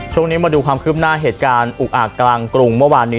ช่วงนี้มาดูความคืบหน้าเหตุการณ์อุกอาจกลางกรุงเมื่อวานนี้